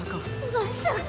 まさか。